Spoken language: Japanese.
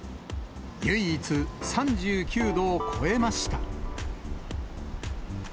唯一、３９度を超えました。